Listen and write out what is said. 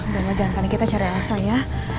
udah mah jangan kaya kita cari elsa ya